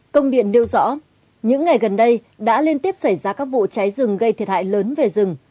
công điện nêu rõ những ngày gần đây đã liên tiếp xảy ra các vụ cháy rừng gây thiệt hại lớn về rừng